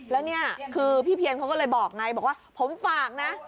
แล้วนี่คือพี่เพียนเขาก็เลยบอกไงบอกว่าผมฝากนะ